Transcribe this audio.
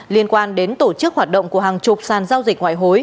liên quan đến tổ chức hoạt động của hàng chục sàn giao dịch ngoại hối